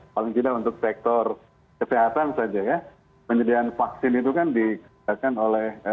paling tidak untuk sektor kesehatan saja ya penyediaan vaksin itu kan dikerjakan oleh